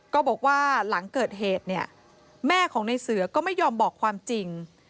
ก็บอกว่าหลังเกิดเหตุเนี่ยแม่ของในเสือก็ไม่ยอมบอกความจริง